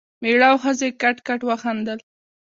مېړه او ښځې کټ کټ وخندل.